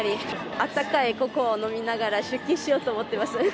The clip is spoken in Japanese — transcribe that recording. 温かいココアを飲みながら出勤しようと思ってます。